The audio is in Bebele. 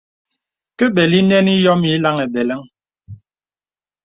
Ke bəlí nənì yǒm mīyï laŋhi beləŋ.